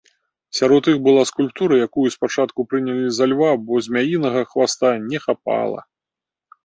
Сярод іх была скульптура, якую спачатку прынялі за льва, бо змяінага хваста не хапала.